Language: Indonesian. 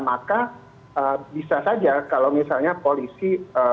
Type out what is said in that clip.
maka bisa saja kalau misalnya polisi